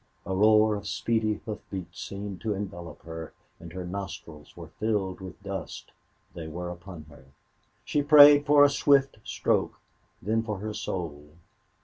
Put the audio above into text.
A roar of speedy hoof beats seemed to envelop her, and her nostrils were filled with dust. They were upon her. She prayed for a swift stroke then for her soul.